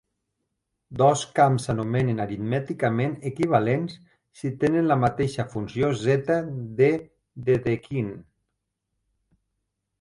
Dos camps s'anomenen aritmèticament equivalents si tenen la mateixa funció zeta de Dedekind.